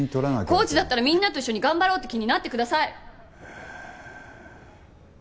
コーチだったらみんなと一緒に頑張ろうって気になってください！